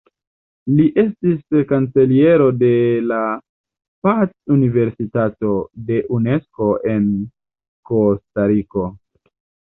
Li estis kanceliero de la "Pac-Universitato" de Unesko en Kostariko.